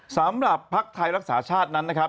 สำหรับภักดิ์ไทยรักษาชาตินั้นนะครับ